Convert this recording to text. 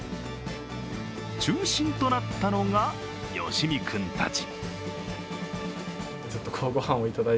中心となったのが、吉見君たち。